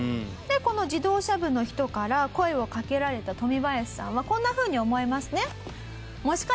この自動車部の人から声をかけられたトミバヤシさんはこんなふうに思いますね。